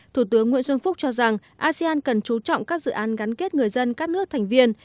thủ tướng nguyễn xuân phúc cho rằng asean cần chú trọng các dự án gắn kết người dân các nước thành viên